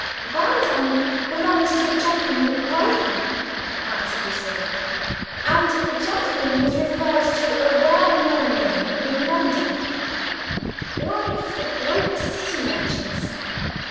"Browndown belongs to a gentleman at Brighton," answered Lucilla. "And the gentleman was referred to a well known name in London one of the great City merchants.